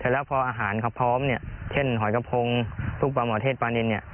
แล้วพออาหารเขาพร้อมเนี่ยเช่นหอยกระพงทุกปลาหมอเทศปลานินเนี่ย